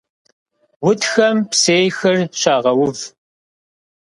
Утхэм псейхэр щагъэув.